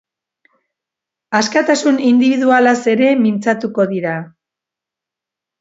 Askatasun indibidualaz ere mintzatuko dira.